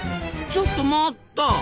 ちょっと待った！